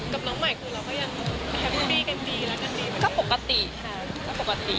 กับน้องใหม่คือเราก็ยังแฮปปี้กันดีแล้วกันดี